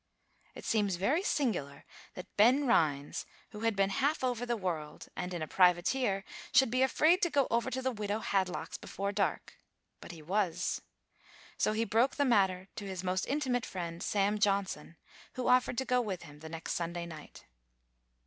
It seems very singular that Ben Rhines, who had been half over the world, and in a privateer, should be afraid to go over to the widow Hadlock's before dark; but he was: so he broke the matter to his most intimate friend, Sam Johnson, who offered to go with him the next Sunday night.